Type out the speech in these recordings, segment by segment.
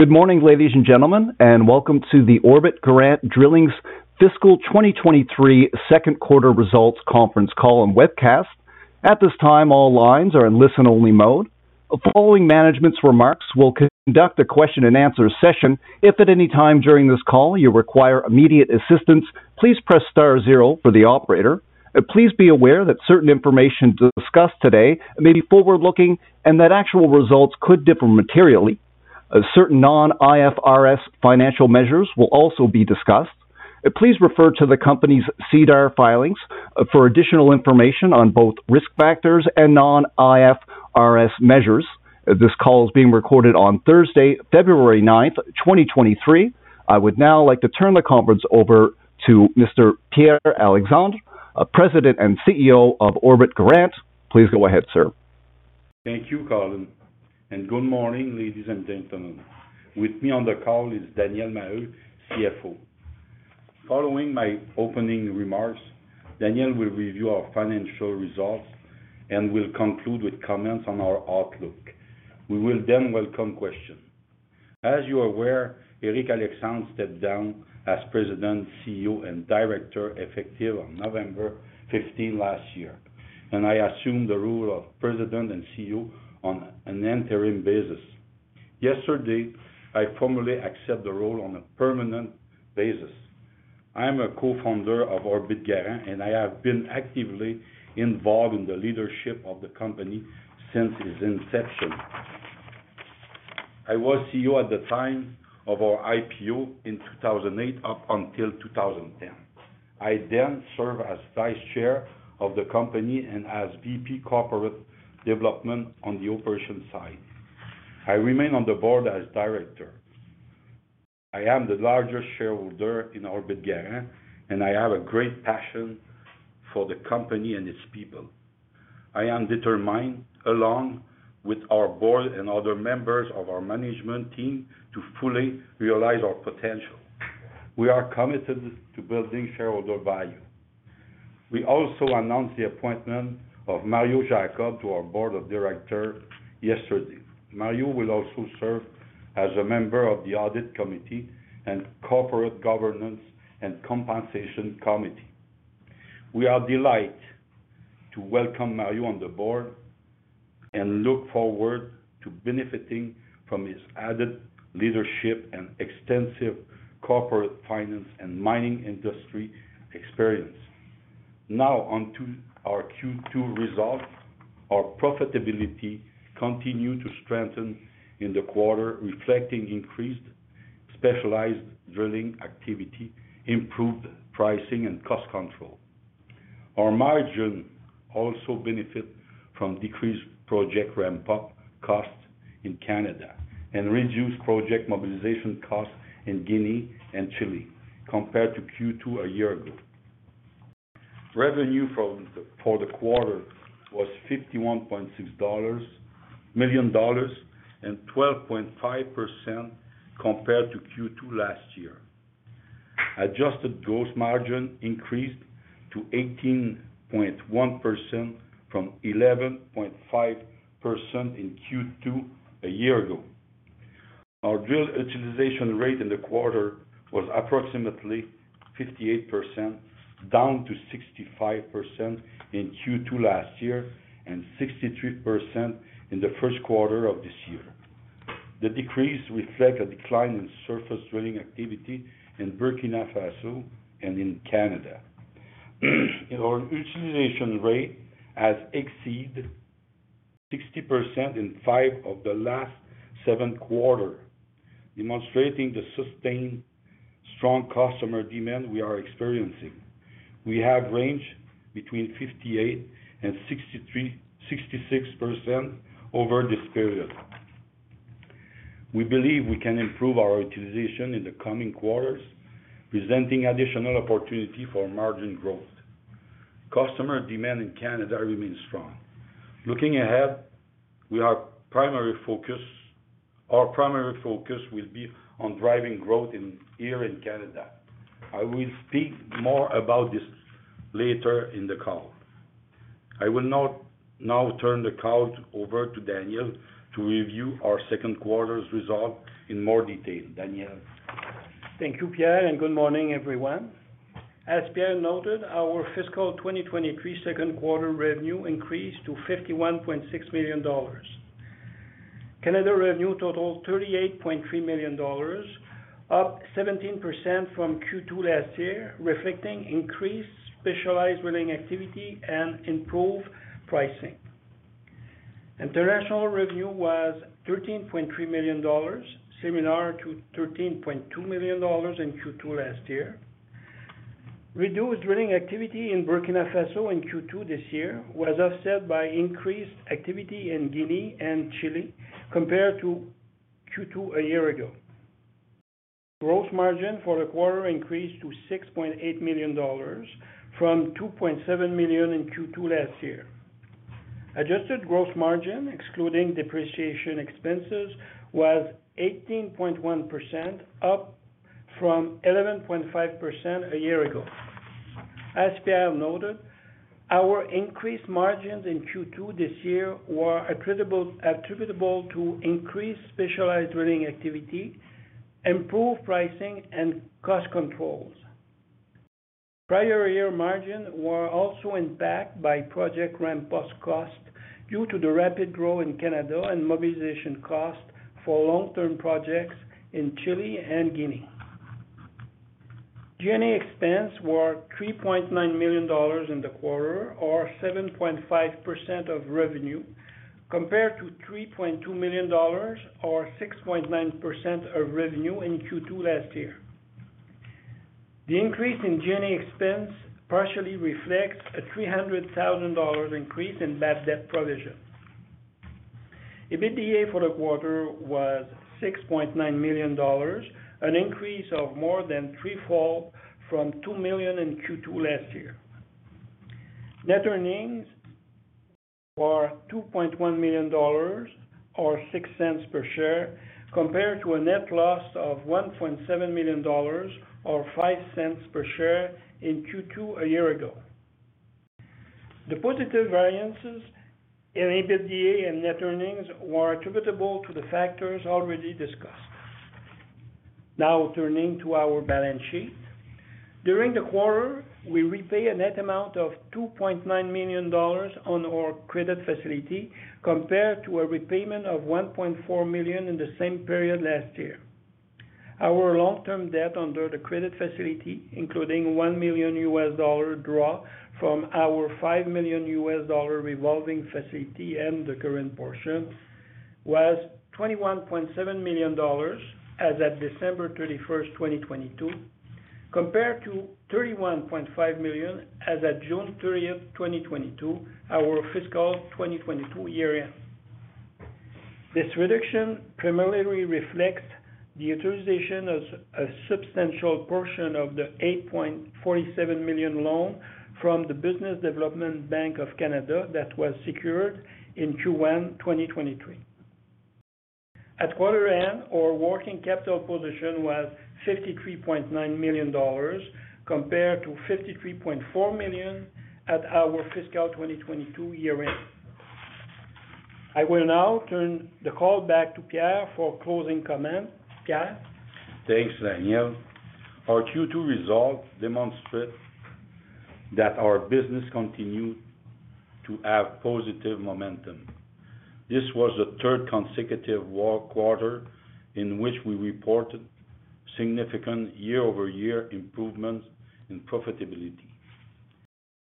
Good morning, ladies and gentlemen, and welcome to the Orbit Garant Drilling's fiscal 2023 second quarter results conference call and webcast. At this time, all lines are in listen-only mode. Following management's remarks, we'll conduct a question-and-answer session. If at any time during this call you require immediate assistance, please press star zero for the operator. Please be aware that certain information discussed today may be forward-looking and that actual results could differ materially. Certain non-IFRS financial measures will also be discussed. Please refer to the company's SEDAR filings for additional information on both risk factors and non-IFRS measures. This call is being recorded on Thursday, February ninth, 2023. I would now like to turn the conference over to Mr. Pierre Alexandre, President and CEO of Orbit Garant. Please go ahead, sir. Thank you, Colin. Good morning, ladies and gentlemen. With me on the call is Daniel Maheu, CFO. Following my opening remarks, Daniel will review our financial results and will conclude with comments on our outlook. We will then welcome questions. As you are aware, Eric Alexandre stepped down as president, CEO, and director effective on November 15th last year. I assumed the role of President and CEO on an interim basis. Yesterday, I formally accepted the role on a permanent basis. I am a co-founder of Orbit Garant. I have been actively involved in the leadership of the company since its inception. I was CEO at the time of our IPO in 2008 up until 2010. I then served as vice chair of the company and as VP Corporate Development on the operation side. I remain on the board as director. I am the largest shareholder in Orbit Garant, and I have a great passion for the company and its people. I am determined, along with our board and other members of our management team, to fully realize our potential. We are committed to building shareholder value. We also announced the appointment of Mario Jacob to our board of directors yesterday. Mario will also serve as a member of the Audit Committee and Corporate Governance and Compensation Committee. We are delighted to welcome Mario on the board and look forward to benefiting from his added leadership and extensive corporate finance and mining industry experience. On to our Q2 results. Our profitability continued to strengthen in the quarter, reflecting increased specialized drilling activity, improved pricing and cost control. Our margin also benefit from decreased project ramp-up costs in Canada and reduced project mobilization costs in Guinea and Chile compared to Q2 a year ago. Revenue for the quarter was $51.6 million and 12.5% compared to Q2 last year. Adjusted gross margin increased to 18.1% from 11.5% in Q2 a year ago. Our drill utilization rate in the quarter was approximately 58%, down to 65% in Q2 last year and 63% in the first quarter of this year. The decrease reflect a decline in surface drilling activity in Burkina Faso and in Canada. Our utilization rate has exceeded 60% in five of the last seven quarters, demonstrating the sustained strong customer demand we are experiencing. We have ranged between 58% and 66% over this period. We believe we can improve our utilization in the coming quarters, presenting additional opportunity for margin growth. Customer demand in Canada remains strong. Looking ahead, our primary focus will be on driving growth here in Canada. I will speak more about this later in the call. I will now turn the call over to Daniel to review our second quarter's results in more detail. Daniel? Thank you, Pierre. Good morning, everyone. As Pierre noted, our fiscal 2023 second quarter revenue increased to $51.6 million. Canada revenue totaled $38.3 million, up 17% from Q2 last year, reflecting increased specialized drilling activity and improved pricing. International revenue was $13.3 million, similar to $13.2 million in Q2 last year. Reduced drilling activity in Burkina Faso in Q2 this year was offset by increased activity in Guinea and Chile compared to Q2 a year ago. Gross margin for the quarter increased to $6.8 million from $2.7 million in Q2 last year. Adjusted gross margin, excluding depreciation expenses, was 18.1%, up from 11.5% a year ago. As Pierre noted, our increased margins in Q2 this year were attributable to increased specialized drilling activity, improved pricing, and cost controls. Prior year margins were also impacted by project ramp-up costs due to the rapid growth in Canada and mobilization costs for long-term projects in Chile and Guinea. G&A expenses were $3.9 million in the quarter or 7.5% of revenue, compared to $3.2 million or 6.9% of revenue in Q2 last year. The increase in G&A expense partially reflects a $300,000 increase in bad debt provision. EBITDA for the quarter was $6.9 million, an increase of more than threefold from $2 million in Q2 last year. Net earnings were $2.1 million or $0.06 per share, compared to a net loss of $1.7 million or $0.05 per share in Q2 a year ago. The positive variances in EBITDA and net earnings were attributable to the factors already discussed. Now turning to our balance sheet. During the quarter, we repay a net amount of $2.9 million on our credit facility compared to a repayment of $1.4 million in the same period last year. Our long-term debt under the credit facility, including $1 million US dollar draw from our $5 million US dollar revolving facility and the current portion, was $21.7 million as at December 31, 2022, compared to $31.5 million as at June 30, 2022, our fiscal 2022 year-end. This reduction primarily reflects the utilization as a substantial portion of the $8.47 million loan from the Business Development Bank of Canada that was secured in Q1 2023. At quarter end, our working capital position was $53.9 million, compared to $53.4 million at our fiscal 2022 year-end. I will now turn the call back to Pierre for closing comments. Pierre. Thanks, Daniel. Our Q2 results demonstrate that our business continued to have positive momentum. This was the third consecutive quarter in which we reported significant year-over-year improvements in profitability.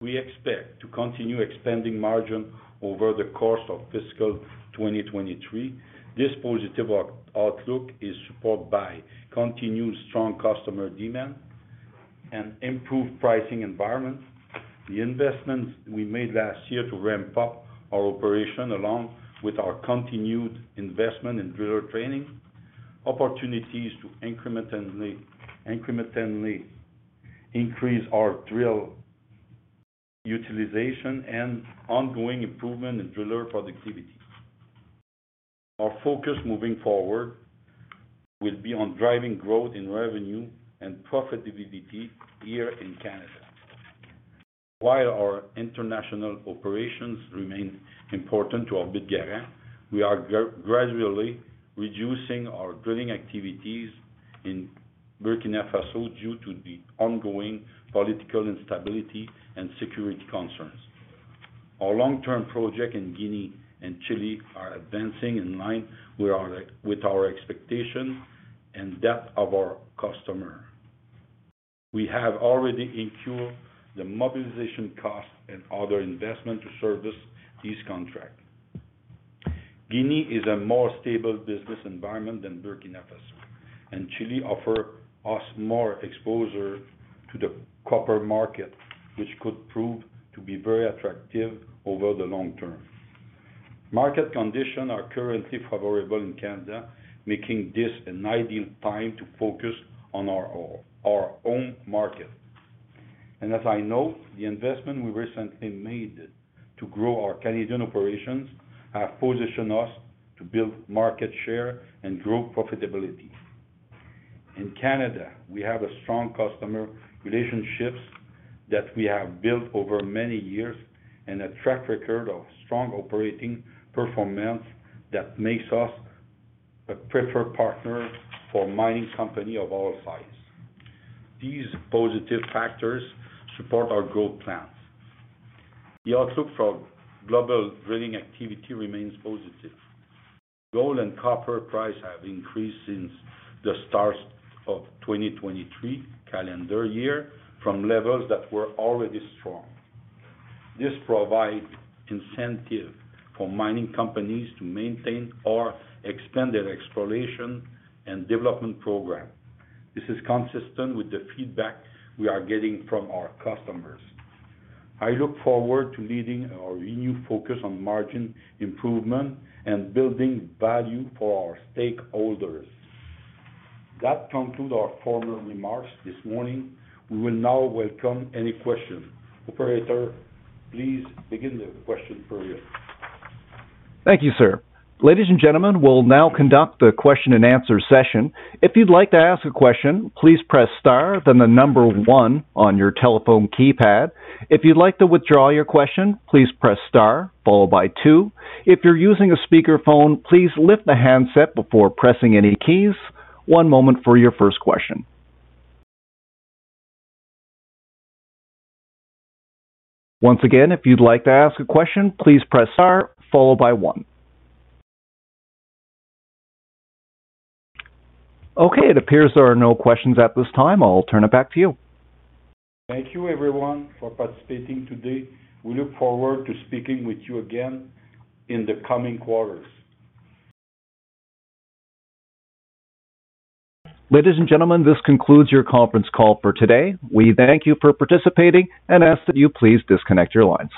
We expect to continue expanding margin over the course of fiscal 2023. This positive outlook is supported by continued strong customer demand and improved pricing environment. The investments we made last year to ramp up our operation, along with our continued investment in driller training, opportunities to incrementally increase our drill utilization and ongoing improvement in driller productivity. Our focus moving forward will be on driving growth in revenue and profitability here in Canada. While our international operations remain important to Orbit Garant, we are gradually reducing our drilling activities in Burkina Faso due to the ongoing political instability and security concerns. Our long-term project in Guinea and Chile are advancing in line with our expectation and that of our customer. We have already incurred the mobilization costs and other investment to service this contract. Guinea is a more stable business environment than Burkina Faso, and Chile offer us more exposure to the copper market, which could prove to be very attractive over the long term. Market conditions are currently favorable in Canada, making this an ideal time to focus on our own market. As I note, the investment we recently made to grow our Canadian operations have positioned us to build market share and grow profitability. In Canada, we have a strong customer relationships that we have built over many years and a track record of strong operating performance that makes us a preferred partner for mining company of all size. These positive factors support our growth plans. The outlook for global drilling activity remains positive. Gold and copper price have increased since the start of 2023 calendar year from levels that were already strong. This provide incentive for mining companies to maintain or expand their exploration and development program. This is consistent with the feedback we are getting from our customers. I look forward to leading our renewed focus on margin improvement and building value for our stakeholders. That concludes our formal remarks this morning. We will now welcome any question. Operator, please begin the question period. Thank you, sir. Ladies and gentlemen, we'll now conduct the question and answer session. If you'd like to ask a question, please press star, then the number one on your telephone keypad. If you'd like to withdraw your question, please press star followed by two. If you're using a speakerphone, please lift the handset before pressing any keys. One moment for your first question. Once again, if you'd like to ask a question, please press star followed by one. Okay, it appears there are no questions at this time. I'll turn it back to you. Thank you everyone for participating today. We look forward to speaking with you again in the coming quarters. Ladies and gentlemen, this concludes your conference call for today. We thank you for participating and ask that you please disconnect your lines.